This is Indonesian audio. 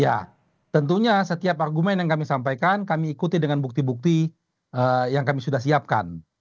ya tentunya setiap argumen yang kami sampaikan kami ikuti dengan bukti bukti yang kami sudah siapkan